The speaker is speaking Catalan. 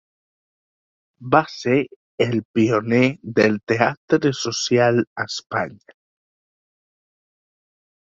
Va ser el pioner del teatre social a Espanya.